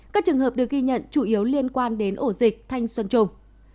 các trường hợp được ghi nhận chủ yếu liên quan đến ổ dịch thanh xuân trung